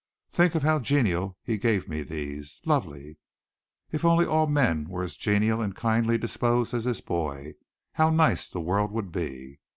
"Think of how genially he gave me these. Lovely! If only all men were as genial and kindly disposed as this boy, how nice the world would be."